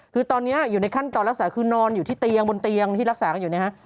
คือตอนนี้อยู่ในขั้นตอนรักษาคือนอนอยู่ที่เตียงบนเตียงที่รักษากันอยู่นะฮะ